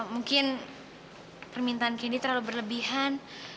mungkin permintaan kini terlalu berlebihan